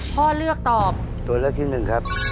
พ่อเลือกตอบตัวเลือกที่หนึ่งครับ